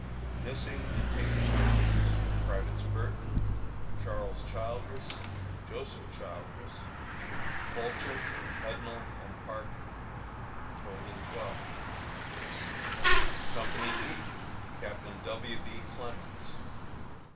Missing and taken prisoners: Privates Burton, Charles Childress, Joseph Childress, Fulcher, Hudnall, and Parker. Total, 12. Company B, Captain W. B. Clements.